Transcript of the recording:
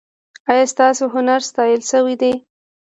ایا ستاسو هنر ستایل شوی دی؟